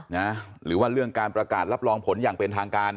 หรือว่าเรื่องการประกาศรับรองผลอย่างเป็นทางการ